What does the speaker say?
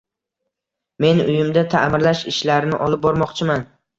Men uyimda taʼmirlash ishlarini olib bormoqchiman.